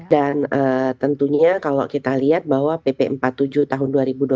dan tentunya kalau kita lihat bahwa pp empat puluh tujuh tahun dua ribu dua puluh satu